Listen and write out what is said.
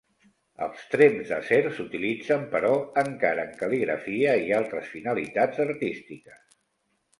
Els tremps d'acer s'utilitzen, però, encara en cal·ligrafia i altres finalitats artístiques.